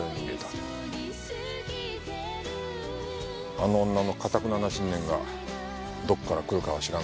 あの女の頑なな信念がどこから来るかは知らんがな。